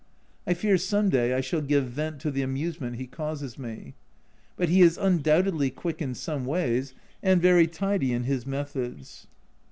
I fear some day I shall give vent to the amusement he causes me. But he is undoubtedly quick in some ways and very tidy in his methods.